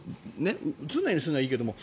うつらないようにするのはいいけど。